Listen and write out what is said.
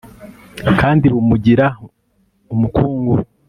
kandi bumugira umukungu